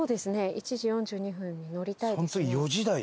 １時４２分に乗りたいですね。